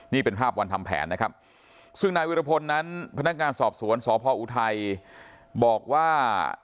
นี่เป็นภาพวันทำแผนนะครับซึ่งนายวิรพลนั้นพนักงานสอบสวนสพออุทัยบอกว่า